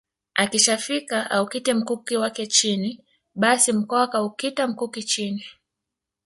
Akishafika aukite mkuki wake chini basi Mkwawa akaukita mkuki chini